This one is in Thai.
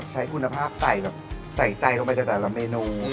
ต้องใช้คุณภาพใส่ใจลงไปจากแต่ละเมนู